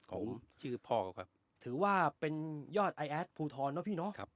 ผมชื่อพ่อเขาครับถือว่าเป็นยอดไอแอดภูทรเนอะพี่เนาะ